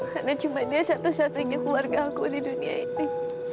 karena cuma dia satu satunya keluarga aku di dunia ini